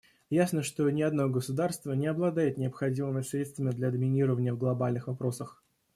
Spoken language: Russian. Ясно, что ни одно государство не обладает необходимыми средствами для доминирования в глобальных вопросах.